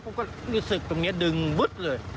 ผมก็รู้สึกตรงนี้ดึงบึ๊ดเลย